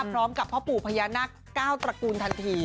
พร้อมกับพ่อปู่พญานาค๙ตระกูลทันที